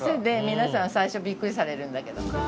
皆さん最初びっくりされるんだけど。